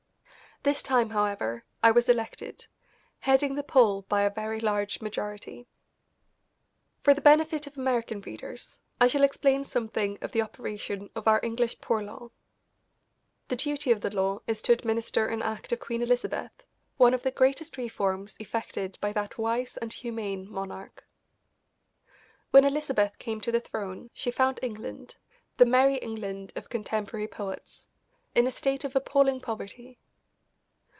This time, however, I was elected, heading the poll by a very large majority. For the benefit of American readers I shall explain something of the operation of our English Poor Law. The duty of the law is to administer an act of Queen Elizabeth, one of the greatest reforms effected by that wise and humane monarch. When Elizabeth came to the throne she found England, the Merrie England of contemporary poets, in a state of appalling poverty.